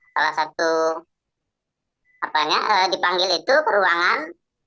salah satu apanya dipanggil itu peruangan